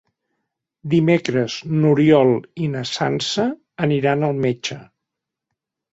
Dimecres n'Oriol i na Sança aniran al metge.